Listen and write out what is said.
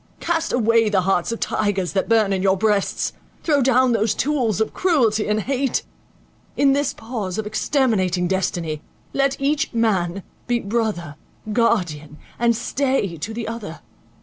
Cast away the hearts of tigers that burn in your breasts; throw down those tools of cruelty and hate; in this pause of exterminating destiny, let each man be brother, guardian, and stay to the other.